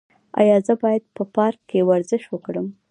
ایا زه باید په پارک کې ورزش وکړم؟